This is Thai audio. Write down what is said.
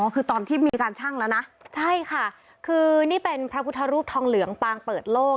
คือตอนที่มีการชั่งแล้วนะใช่ค่ะคือนี่เป็นพระพุทธรูปทองเหลืองปางเปิดโลก